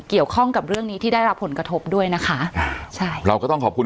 เกี่ยวข้องกับเรื่องนี้ที่ได้รับผลกระทบด้วยนะคะใช่เราก็ต้องขอบคุณ